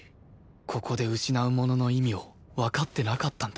ここで失うものの意味をわかってなかったんだ